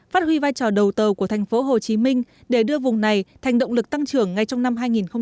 phát huy vai trò đầu tờ của thành phố hồ chí minh để đưa vùng này thành động lực tăng trưởng ngay trong năm hai nghìn hai mươi